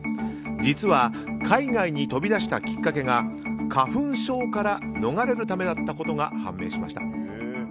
実は海外に飛び出したきっかけが花粉症から逃れるためだったことが判明しました。